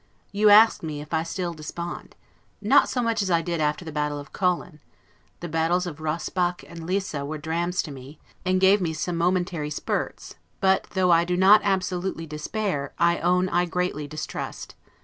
You ask me if I still despond? Not so much as I did after the battle of Colen: the battles of Rosbach and Lissa were drams to me, and gave me some momentary spirts: but though I do not absolutely despair, I own I greatly distrust.